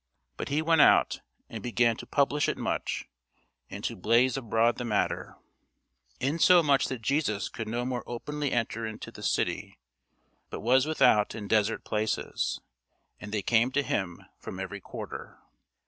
But he went out, and began to publish it much, and to blaze abroad the matter, insomuch that Jesus could no more openly enter into the city, but was without in desert places: and they came to him from every quarter.